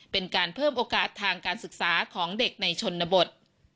เป็นการเพิ่มโอกาสทางการศึกษาของเด็กในชนบท